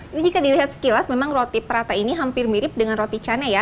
ini jika dilihat sekilas memang roti prata ini hampir mirip dengan roti cana ya